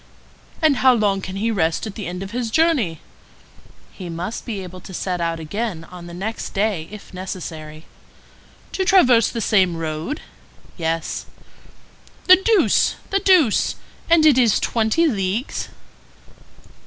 "And how long can he rest at the end of his journey?" "He must be able to set out again on the next day if necessary." "To traverse the same road?" "Yes." "The deuce! the deuce! And it is twenty leagues?"